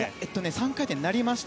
３回転になりました。